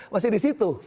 masih di situ